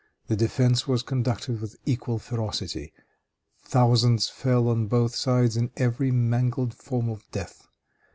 The defense was conducted with equal ferocity. Thousands fell on both sides in every mangled form of death.